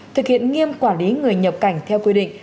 thực hiện nghiêm quản lý người nhập cảnh theo quy định